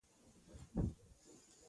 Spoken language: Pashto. ډېر خوند مو پرې واخیست.